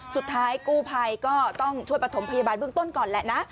สุดท้ายกู้ภัยก็ต้องช่วยประถมพยาบาลเบื้องต้นก่อนแหละนะ